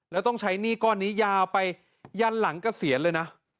แล้วต้องใช้หนี้ก้อนนี้ยาวไปยันหลังเกษียณเลยนะ